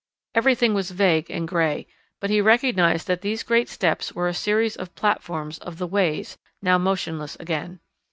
Everything was vague and grey, but he recognised that these great steps were a series of platforms of the "ways," now motionless again.